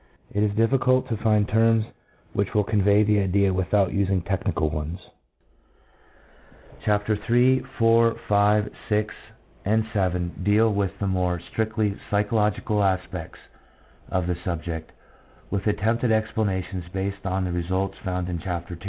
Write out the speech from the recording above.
It is difficult to find terms which will convey the idea without using technical ones. Chapters III., IV., V., VI., and VII. INTRODUCTION. 1 3 deal with the more strictly psychological aspects of the subject, with attempted explanations based on the results found in Chapter II.